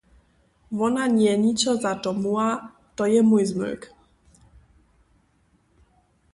Wona njeje ničo za to móhła, to je mój zmylk.